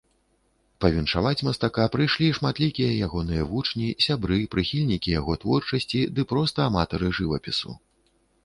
Павіншаваць мастака прыйшлі шматлікія ягоныя вучні, сябры, прыхільнікі яго творчасці ды проста аматары жывапісу.